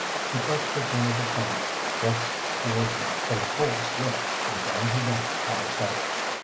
He clutched at one of the planks thrust toward him, but his hold slipped and down he went out of sight.